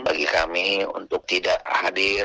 bagi kami untuk tidak hadir